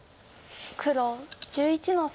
黒１１の三。